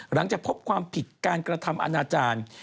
หลังจากพบความผิดการกระทำอนาจารย์